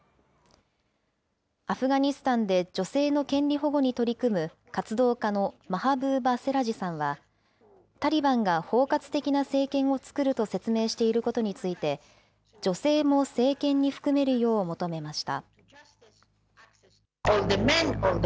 アフガニスタンで女性の権利保護に取り組む活動家のマハブーバ・セラジさんは、タリバンが包括的な政権を作ると説明していることについて、女性も政権に含めるよう求めました。